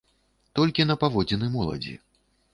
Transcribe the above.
Толькі на паводзіны моладзі.